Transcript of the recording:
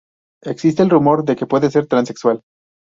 Existe el rumor de que puede ser transexual.